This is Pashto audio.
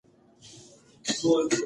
هغه هره ورځ همدلته کښېني.